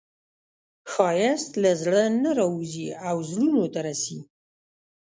ښایست له زړه نه راوځي او زړونو ته رسي